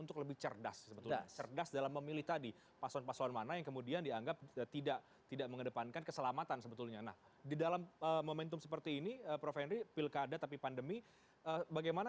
kesamaan suku kesamaan agama